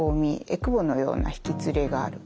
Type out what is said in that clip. えくぼのようなひきつれがある。